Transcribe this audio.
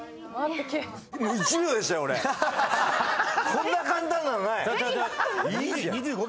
こんな簡単なのない。